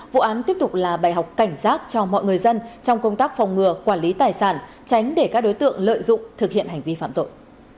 vụ án tiếp tục là bài học cảnh giác cho mọi người dân trong công tác phòng ngừa quản lý tài sản tránh để các đối tượng lợi dụng thực hiện hành vi phạm tội